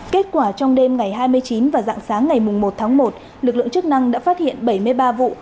kết quả trong đêm ngày hai mươi chín và dạng sáng ngày một tháng một lực lượng chức năng đã phát hiện bảy mươi ba vụ